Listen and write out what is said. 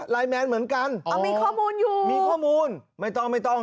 แมนเหมือนกันอ๋อมีข้อมูลอยู่มีข้อมูลไม่ต้องไม่ต้อง